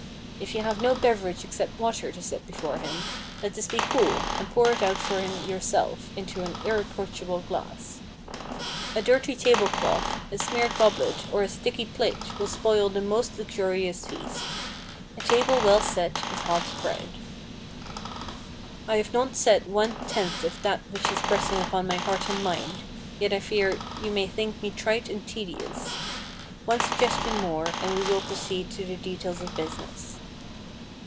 If you have no beverage except water to set before him, let this be cool, and pour it out for him yourself, into an irreproachable glass. A dirty table cloth, a smeared goblet, or a sticky plate, will spoil the most luxurious feast. A table well set is half spread. I have not said one tenth of that which is pressing upon my heart and mind, yet I fear you may think me trite and tedious. One suggestion more, and we will proceed to the details of business.